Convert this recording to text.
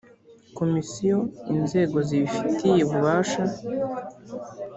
komisiyo inzego zibifitiye ububasha